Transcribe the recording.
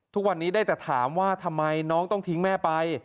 ทุกวันนี้ได้แต่ถามว่าทำไมน้องต้องทิ้งแม่ไป